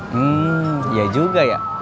hmm ya juga ya